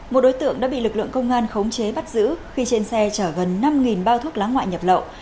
một đối tượng đã bị lực lượng công an khống chế bắt giữ khi trên xe chở gần năm bao thuốc lá ngoại nhập lậu